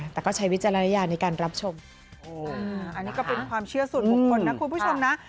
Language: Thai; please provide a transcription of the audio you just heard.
แต่ก็ใช้วิจารณญาณในการรับชมอันนี้ก็เป็นความเชื่อส่วนบุคคลนะคุณผู้ชมนะ